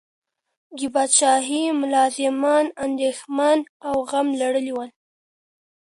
د پاچاهۍ ملازمان اندیښمن او غم لړلي ول.